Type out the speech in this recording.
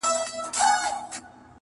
نه یوازي به دي دا احسان منمه٫